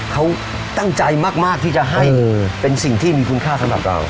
เขาตั้งใจมากที่จะให้เป็นสิ่งที่มีคุณค่าสำหรับเรา